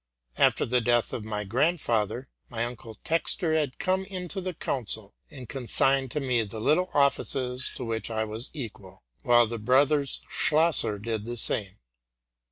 After the death of my grandfather, my uncle Textor had come into the council, and consigned to me the little offices to which I was equal; while the brothers Schlosser did the same.